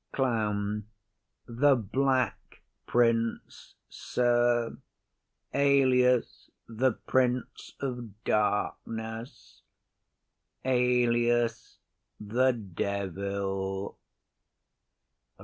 CLOWN. The black prince, sir; alias the prince of darkness; alias the devil.